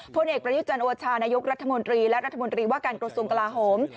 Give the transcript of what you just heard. พลเอกประยุจันทร์โอชานายกรัฐมนตรีและรัฐมนตรีว่าการกระทรวงกลาโหม